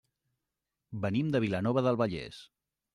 Venim de Vilanova del Vallès.